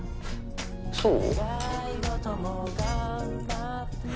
そう？